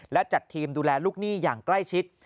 และจัดทีมดูแลลูกหนี้อย่างใกล้ชิด